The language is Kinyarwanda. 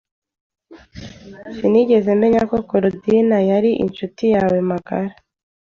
Sinigeze menya ko Korodina yari inshuti yawe magara.